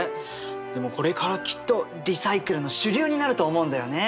でもこれからきっとリサイクルの主流になると思うんだよね。